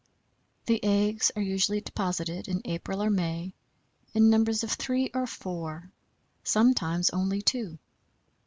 The eggs are usually deposited in April or May in numbers of three or four sometimes only two.